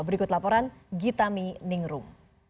berikut laporan gitami ningrum